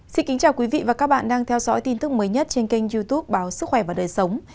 xin kính chào quý vị và các bạn đang theo dõi tin tức mới nhất trên kênh youtube báo sức khỏe và đời sống